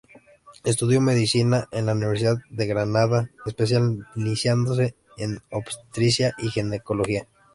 Estudió medicina en la Universidad de Granada, especializándose en Obstetricia y Ginecología.